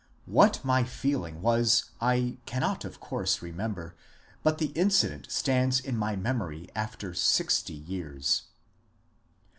What my feeling was I can not of course remember, but the incident stands in my mem ory after sixty years.